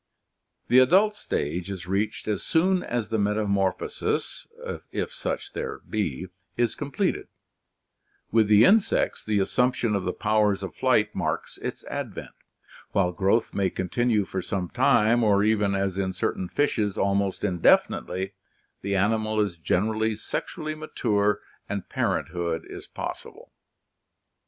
The adult stage is reached as soon as the metamorphosis, if such there be, is completed — with the insects the assumption of the powers of Sight marks its advent. While growth may continue for some time, or even, as in certain fishes, al most indefinitely, the animal is gener ally sexually ma ture and parent hood is possible.